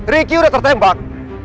ricky udah tertembak